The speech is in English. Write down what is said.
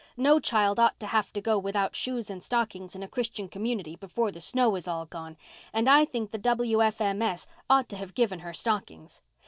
No child ought to have to go without shoes and stockings in a Christian community before the snow is all gone, and I think the W. F. M. S. ought to have given her stockings.